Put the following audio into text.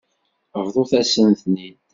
Bḍut-as-ten-id.